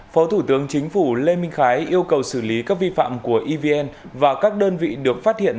phó thủ tướng chính phủ lê minh khái yêu cầu xử lý các vi phạm của evn và các đơn vị được phát hiện